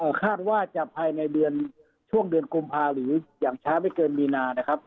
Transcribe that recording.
คาดว่าจะภายในเดือนช่วงเดือนกุมภาหรืออย่างช้าไม่เกินมีนานะครับ